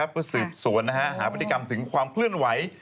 เพื่อสืบสวนหาพฤติกรรมถึงความเคลื่อนไหว